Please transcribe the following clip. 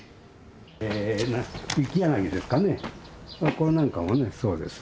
これなんかもねそうです。